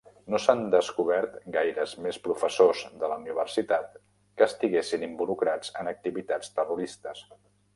No s'han descobert gaires més professors de la universitat que estiguessin involucrats en activitats terroristes.